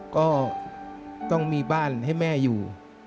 ก็ต้องมีบ้านให้แม่อยู่